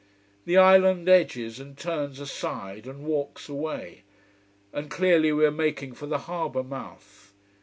The island edges and turns aside: and walks away. And clearly we are making for the harbour mouth.